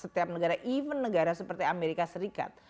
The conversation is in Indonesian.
setiap negara even negara seperti amerika serikat